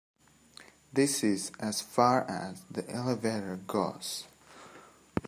This is as far as the elevator goes.